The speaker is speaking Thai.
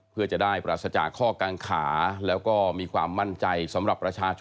เพื่อจะได้นะคะแล้วก็มีความมั่นใจสำหรับประชาชน